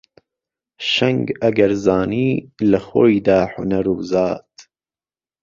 شهنگ ئهگهرزانی له خۆێ دا حونەر و زات